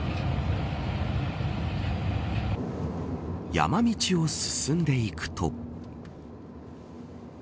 山道を進んでいくと。